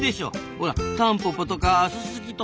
ほらタンポポとかススキとか。